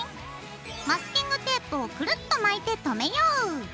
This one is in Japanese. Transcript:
マスキングテープをクルッと巻いてとめよう。